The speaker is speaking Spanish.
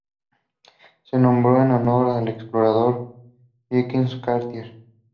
Se nombró en honor al explorador Jacques Cartier.